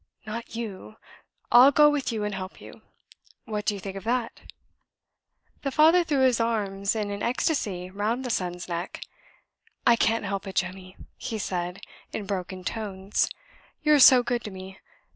"Not you! I'll go with you and help you. What do you think of that?" The father threw his arms in an ecstasy round the son's neck. "I can't help it, Jemmy," he said, in broken tones. "You are so good to me.